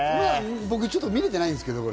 僕、ちょっと見れてないんですけど、これ。